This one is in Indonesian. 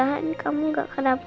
kenapa tidak pelabur